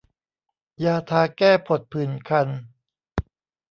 ยาทาแก้ผดผื่นคัน